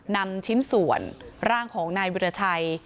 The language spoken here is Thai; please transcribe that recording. นำชิ้นส่วนร่างของนายวิราชัย